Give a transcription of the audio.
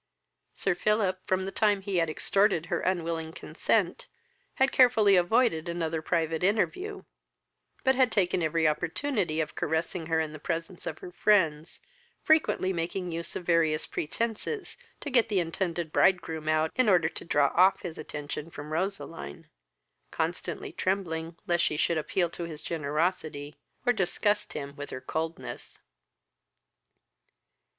Sir Philip, from the time he had extorted her unwilling consent, had carefully avoided another private interview, but had taken every opportunity of caressing her in the presence of her friends, frequently making use of various pretences to get the intended bridegroom out, in order to draw off his attention from Roseline, constantly trembling lest she should appeal to his generosity, or disgust him with her coldness.